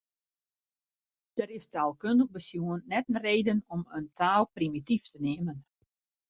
Der is taalkundich besjoen net in reden om in taal primityf te neamen.